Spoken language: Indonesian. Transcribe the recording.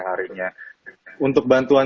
harinya untuk bantuan